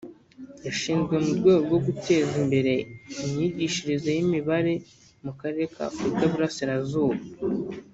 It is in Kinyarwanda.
yashinzwe mu rwego rwo guteza imbere imyigishirize y’imibare mu karere ka Afurika y’Uburasirazuba